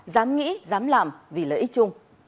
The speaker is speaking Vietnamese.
dám nghĩ dám làm vì lợi ích chung